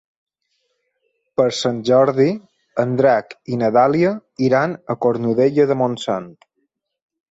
Per Sant Jordi en Drac i na Dàlia iran a Cornudella de Montsant.